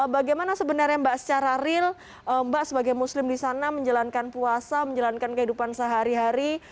bagaimana sebenarnya mbak secara real mbak sebagai muslim di sana menjalankan puasa menjalankan kehidupan sehari hari